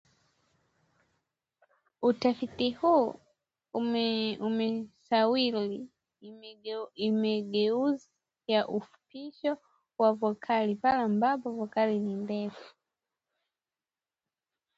utafiti huu umesawiri mageuzi ya ufupishaji wa vokali pale ambapo vokali ndefu